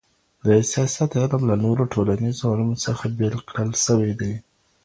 د سياست علم له نورو ټولنيزو علومو څخه بېل کړل سوی دی.